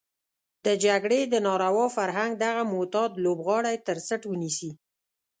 د جګړې د ناروا فرهنګ دغه معتاد لوبغاړی تر څټ ونيسي.